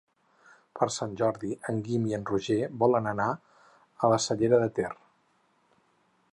Per Sant Jordi en Guim i en Roger volen anar a la Cellera de Ter.